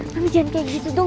kamu jangan kayak gitu dong